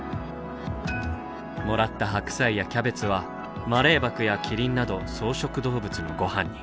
もらった白菜やキャベツはマレーバクやキリンなど草食動物のごはんに。